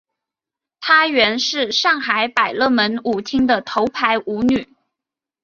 她原是上海百乐门舞厅的头牌舞女。